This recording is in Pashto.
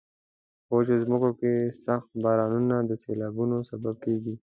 په وچو ځمکو کې سخت بارانونه د سیلابونو سبب کیږي.